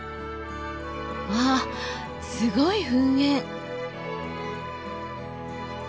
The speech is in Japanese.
うわすごい噴煙。